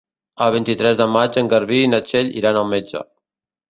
El vint-i-tres de maig en Garbí i na Txell iran al metge.